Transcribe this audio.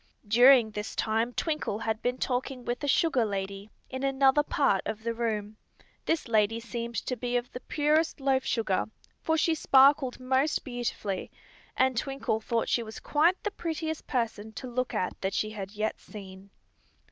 During this time Twinkle had been talking with a sugar lady, in another part of the room. This lady seemed to be of the purest loaf sugar, for she sparkled most beautifully, and Twinkle thought she was quite the prettiest person to look at that she had yet seen.